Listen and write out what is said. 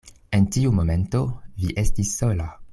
En tiu momento, vi estis sola.